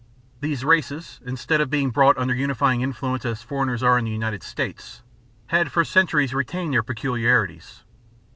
These races, instead of being brought under unifying influences as foreigners are in the United States, had for centuries retained their peculiarities.